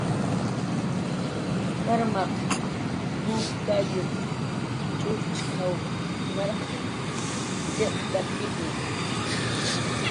"Kawmaq kup kayup"" ch'ujchk""aw narq chirkatkipna"